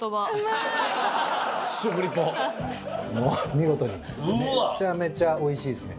見事にめちゃめちゃおいしいですね。